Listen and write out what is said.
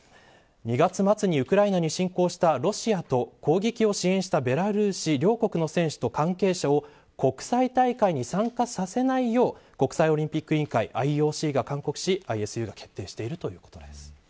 ２月末にウクライナに侵攻したロシアと攻撃を支援したベラルーシ両国の選手と関係者を国際大会に参加させないよう国際オリンピック委員会ＩＯＣが勧告しＩＳＵが決定しているということです。